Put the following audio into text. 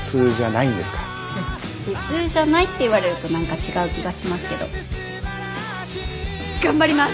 普通じゃないって言われると何か違う気がしますけど頑張ります！